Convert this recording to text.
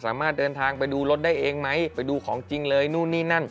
สามารถเดินทางไปดูรถได้เองไหมไปดูของจริงเลยนู่นนี่นั่น